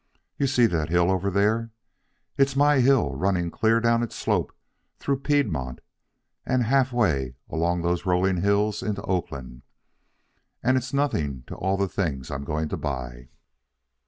You see that hill over there. It's my hill running clear down its slopes through Piedmont and halfway along those rolling hills into Oakland. And it's nothing to all the things I'm going to buy."